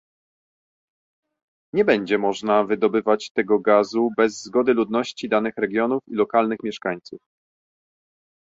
Nie będzie można wydobywać tego gazu bez zgody ludności danych regionów i lokalnych mieszkańców